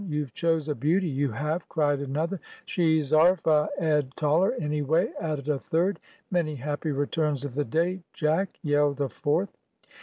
"You've chose a beauty, you have," cried another. "She's 'arf a 'ead taller, anyway," added a third. "Many happy returns of the day, Jack!" yelled a fourth.